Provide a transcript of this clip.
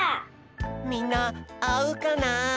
みんなあうかな？